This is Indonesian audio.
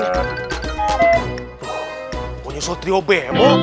wah punya suatrio bemo